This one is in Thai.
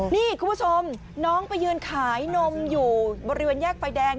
นี่คุณผู้ชมน้องไปยืนขายนมอยู่บริเวณแยกไฟแดง